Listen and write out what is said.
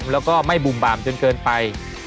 แล้วก็ไม่บุ่มบามจนเกินไป